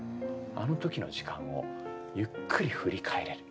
あの時の時間をゆっくり振り返れる。